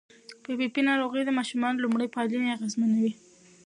پي پي پي ناروغي د ماشوم لومړني پالنې اغېزمنوي.